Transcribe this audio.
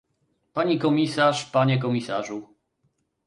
Pani komisarz, panie komisarzu